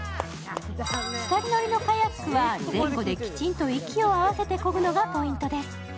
２人乗りのカヤックは前後できちんと息を合わせてこぐのがポイントです。